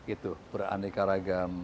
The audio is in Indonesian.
itu beraneka ragam